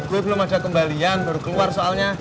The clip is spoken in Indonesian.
lu belum ada kembalian baru keluar soalnya